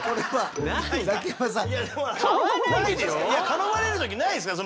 頼まれる時ないですか？